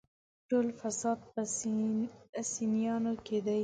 ټول فساد په سنيانو کې دی.